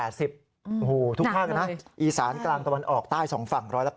ทุกภาคนะอีสานกลางตะวันออกใต้๒ฝั่งร้อยละ๘๐